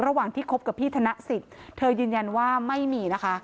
ระหว่างที่คบกับพี่ธนสิทธิ์เธอยืนยันว่าไม่มีนะคะ